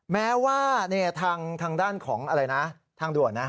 แม้ว่าทางด้านของทางด่วนนะ